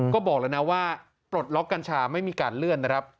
ก็บอกแล้วนะว่าปลดล็อกกัญชาไม่มีการเลื่อนนะครับ